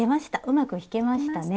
うまく引けましたね。